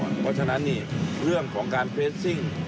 เพราะฉะนั้นเรื่องของการเรสซิ่ง